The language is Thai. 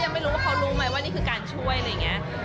ไม่รู้ว่าเขารู้ไหมว่านี่คือการช่วยอะไรอย่างนี้